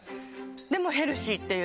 でもヘルシーっていう。